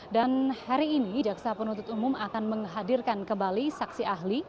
dan hari ini jaksa penuntut umum akan menghadirkan kembali saksi ahli